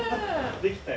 できたよ。